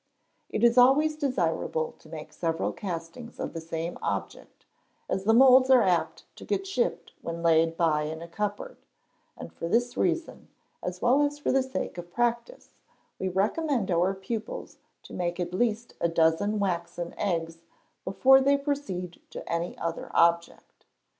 It is always desirable to make several castings of the same object, as the moulds are apt to get chipped when laid by in a cupboard; and for this reason, as well as for the sake of practice, we recommend our pupils to make at least a dozen waxen eggs before they proceed to any other object.